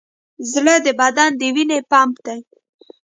زړه د بدن د وینې پمپ دی.